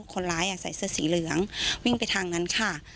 คนร้ายใส่เสื้อสีเหลืองวิ่งไปทางนั้นค่ะ